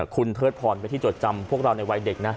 คุณเทิดพรเป็นที่จดจำพวกเราในวัยเด็กนะ